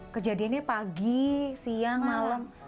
kejadiannya pagi siang malam